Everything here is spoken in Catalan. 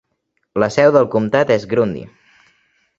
La seu del comtat és Grundy.